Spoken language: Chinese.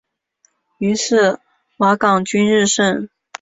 于是瓦岗军日盛。